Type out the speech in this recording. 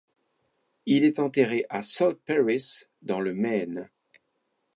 Il est enterré à South Paris dans le Maine.